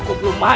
bagus yok mbak